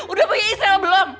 udah punya istri lu belum